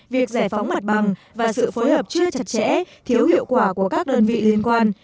việc giải phóng mặt bằng và sự phối hợp chưa chặt chẽ thiếu hiệu quả của các đơn vị liên quan